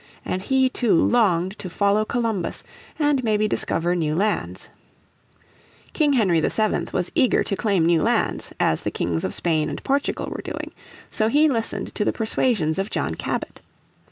"And he too longed to follow Columbus, and maybe discover new lands. King Henry VII was eager to claim new lands as the Kings of Spain and Portugal were doing. So he listened to the persuasions of John Cabot.